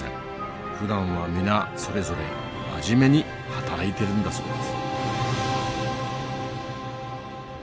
ふだんは皆それぞれ真面目に働いているんだそうです。